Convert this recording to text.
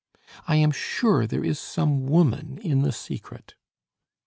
I am sure there is some woman in the secret."